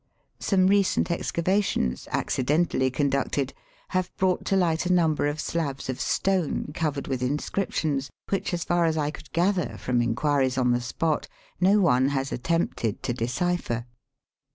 Some recent excavations, accidentally conducted, have brought to light a number of slabs of stone covered with inscriptions, which, as far as I could gather from inquiries on the spot, no one has attempted to decipher.